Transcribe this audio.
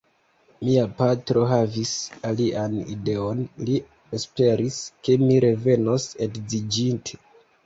Mia patro havis alian ideon: li esperis, ke mi revenos edziĝinte.